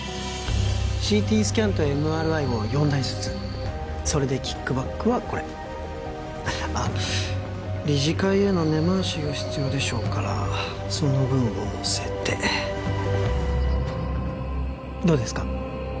ＣＴスキャンとＭＲＩを４台ずつそれでキックバックはこれあっ理事会への根回しが必要でしょうからその分をのせてどうですか？